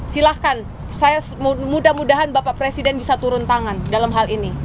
silahkan saya mudah mudahan bapak presiden bisa turun tangan dalam hal ini